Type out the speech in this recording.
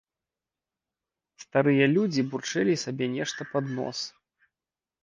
Старыя людзі бурчэлі сабе нешта пад нос.